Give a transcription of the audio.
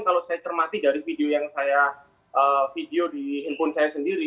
kalau saya kermati dari video di handphone saya sendiri